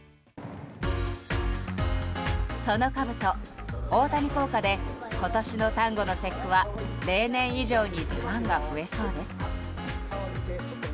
そのかぶと、大谷効果で今年の端午の節句は例年以上に出番が増えそうです。